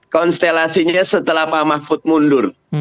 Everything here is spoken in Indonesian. konstelasinya setelah pak mahfud mundur